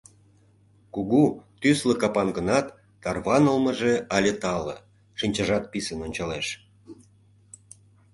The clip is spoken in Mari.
Кугу, тӱслӧ капан гынат, тарванылмыже але тале, шинчажат писын ончалеш.